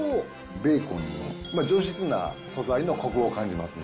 ベーコンの上質な素材のこくを感じますね。